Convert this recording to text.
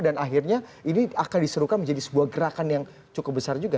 dan akhirnya ini akan diserukan menjadi sebuah gerakan yang cukup besar juga